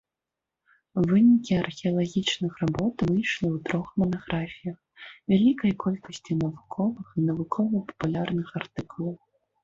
Вынікі археалагічных работ выйшлі ў трох манаграфіях, вялікай колькасці навуковых і навукова-папулярных артыкулаў.